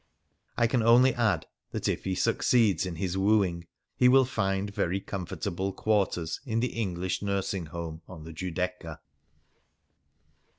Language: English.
I can only add that if he succeeds in his wooing, he will find very comfortable quarters in the English Nursing Home on the Giudecca.